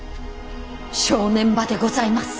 正念場でございます。